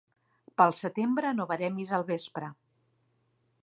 Pel setembre no veremis al vespre.